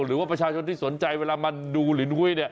หรือว่าประชาชนที่สนใจเวลามาดูลินหุ้ย